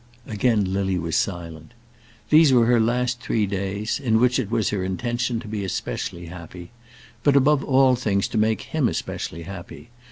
Again Lily was silent. These were her three last days, in which it was her intention to be especially happy, but above all things to make him especially happy.